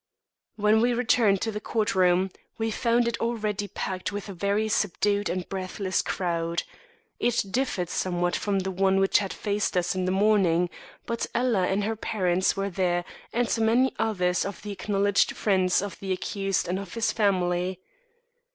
When we returned to the court room, we found it already packed with a very subdued and breathless crowd. It differed somewhat from the one which had faced us in the morning; but Ella and her parents were there and many others of the acknowledged friends of the accused and of his family.